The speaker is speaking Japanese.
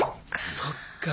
そっか。